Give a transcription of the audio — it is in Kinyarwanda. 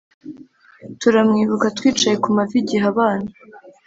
turamwibuka twicaye kumavi igihe abana,